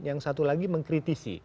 yang satu lagi mengkritisi